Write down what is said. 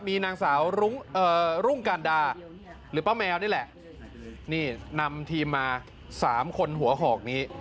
มีนางสาวรุ่งการดาหรือป้าแมวนี่แหละนี่นำทีมมา๓คนหัวหอกนี้